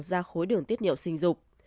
ra khối đường tiết niệu sinh dục